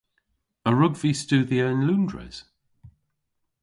A wrug vy studhya yn Loundres?